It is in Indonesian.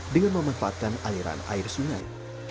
dengan memanfaatkan aliran air sungai